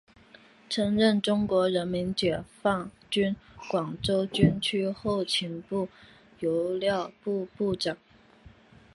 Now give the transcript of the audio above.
曾任中国人民解放军广州军区后勤部油料部部长。